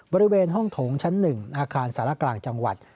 บริเวณห้องโถงชั้น๑อาคารสารกลางจังหวัด